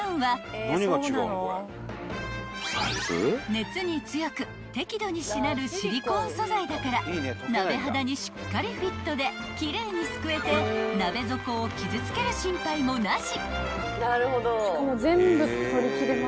［熱に強く適度にしなるシリコーン素材だから鍋肌にしっかりフィットで奇麗にすくえて鍋底を傷つける心配もなし］